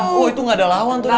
oh itu gak ada lawan tuh ya mak